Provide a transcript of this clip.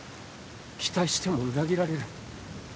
期待しても裏切られる。